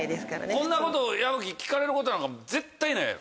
こんなこと矢吹聞かれることなんか絶対ないやろ。